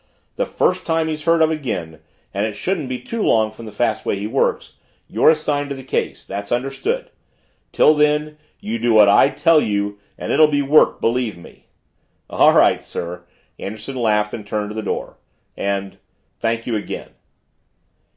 The first time he's heard of again and it shouldn't be long from the fast way he works you're assigned to the case. That's understood. Till then, you do what I tell you and it'll be work, believe me!" "All right, sir," Anderson laughed and turned to the door. "And thank you again."